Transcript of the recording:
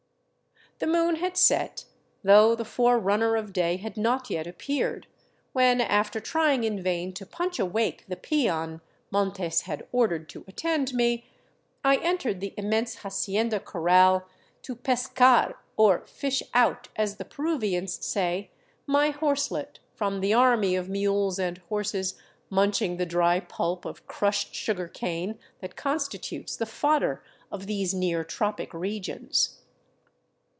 The moon had set, though the forerunner of day had not yet ap peared, when, after trying in vain to punch awake the peon Montes had ordered to attend me, I entered the immense hacienda corral to pcscar, or " fish out," as the Peruvians say, my horselet from the army of mules and horses munching the dry pulp of crushed sugarcane that 415 VAGABONDING DOWN THE ANDES constitutes the foddeif of these near tropical regions.